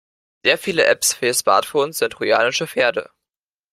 Sehr viele Apps für Smartphones sind trojanische Pferde.